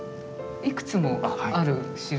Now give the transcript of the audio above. いくつもある印？